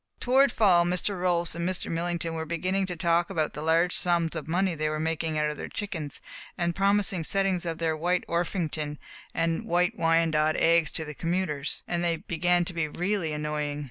Toward fall Mr. Rolfs and Mr. Millington were beginning to talk about the large sums of money they were making out of their chickens, and promising settings of their White Orpington and White Wyandotte eggs to the commuters, and they began to be really annoying.